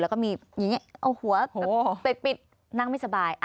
แล้วก็มีอย่างนี้เอาหัวไปปิดนั่งไม่สบาย